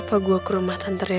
tidak aku mau nyantai